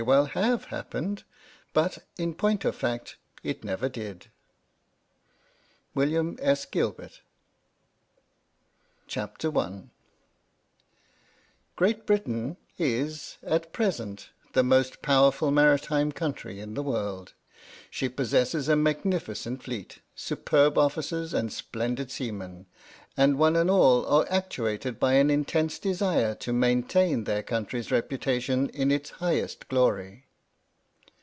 .122 The End ........ iu xiv RJHAJES HIP iNAFORf; GREAT BRITAIN is (at present) the most powerful maritime country in the world ; she possesses a magnificent Fleet, superb officers and splendid seamen, and one and all are actuated by an intense desire to maintain their country's reputa tion in its highest glory.